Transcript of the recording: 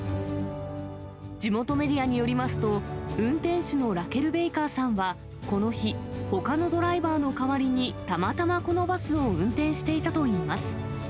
地元メディアによりますと、運転手のラケル・ベイカーさんは、この日、ほかのドライバーの代わりにたまたまこのバスを運転していたといいます。